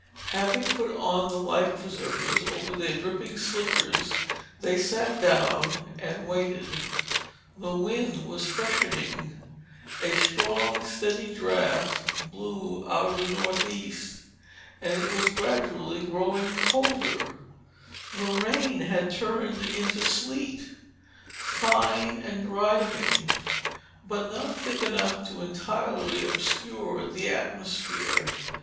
Having put on the life preservers over their dripping slickers, they sat down and waited. The wind was freshening. A strong, steady draft blew out of the northeast and it was gradually growing colder. The rain had turned into sleet, fine and driving, but not thick enough to entirely obscure the atmosphere.